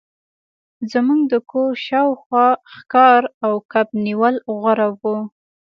زموږ د کور شاوخوا ښکار او کب نیول غوره وو